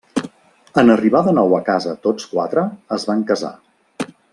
En arribar de nou a casa tots quatre, es van casar.